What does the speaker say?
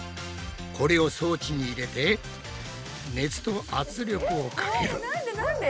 これを装置に入れて熱と圧力をかける。